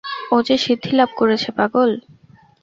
ও যে সিদ্ধিলাভ করেছে পাগল।